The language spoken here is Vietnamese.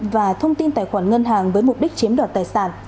và thông tin tài khoản ngân hàng với mục đích chiếm đoạt tài sản